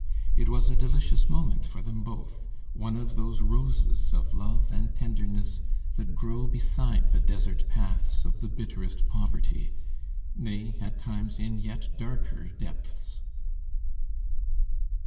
It was a delicious moment for them both, one of those roses of love and tenderness that grow beside the desert paths of the bitterest poverty, nay, at times in yet darker depths.